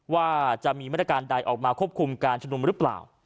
ว่าจะมีมาตรการใดออกมาควบคุมการชุมนุมหรือเปล่า